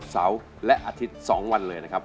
เสาร์และอาทิตย์๒วันเลยนะครับ